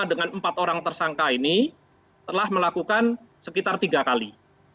dengan empat orang tersangka ini telah melakukan sekitar tiga kali